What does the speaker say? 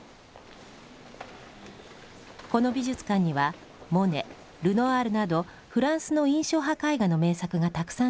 この美術館にはモネルノワールなどフランスの印象派絵画の名作がたくさん収集されています。